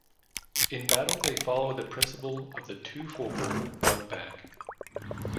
In battle they followed the principle of two forward, one back.